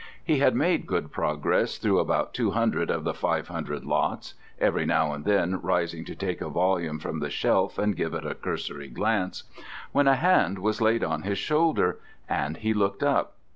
He had made good progress through about two hundred of the five hundred lots every now and then rising to take a volume from the shelf and give it a cursory glance when a hand was laid on his shoulder, and he looked up.